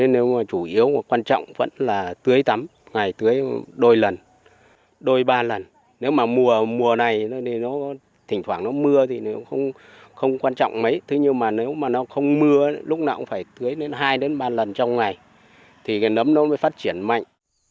nếu mà chủ yếu và quan trọng vẫn là tưới tắm ngày tưới đôi lần đôi ba lần nếu mà mùa này thì nó thỉnh thoảng nó mưa thì nó không quan trọng mấy thế nhưng mà nếu mà nó không mưa lúc nào cũng phải tưới đến hai ba lần trong ngày thì cái nấm nó mới phát triển mạnh